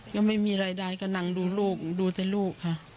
ก็ไม่มีรายได้ก็นั่งดูลูกดูแต่ลูกค่ะ